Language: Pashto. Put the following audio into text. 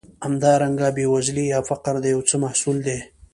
همدارنګه بېوزلي یا فقر د یو څه محصول دی.